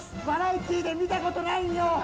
バラエティーで見たことないんよ！